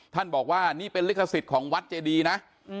ท่านบอกว่านี่เป็นลิขสิทธิ์ของวัดเจดีนะ